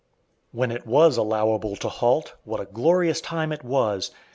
When it was allowable to halt, what a glorious time it was!